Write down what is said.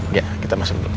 iya kita masuk dulu